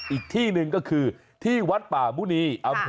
อีกที่หนึ่งก็คือที่วัดป่ามุณี